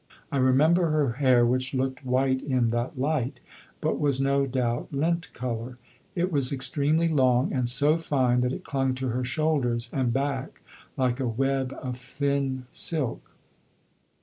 I remember her hair, which looked white in that light, but was no doubt lint colour. It was extremely long, and so fine that it clung to her shoulders and back like a web of thin silk.